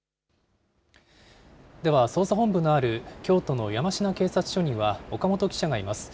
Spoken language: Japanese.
では、捜査本部がある京都の山科警察署には岡本記者がいます。